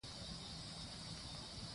افغانستان د اقلیم له امله شهرت لري.